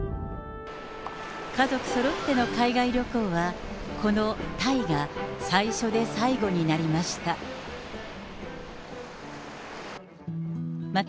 家族そろっての海外旅行は、このタイが最初で最後になりました。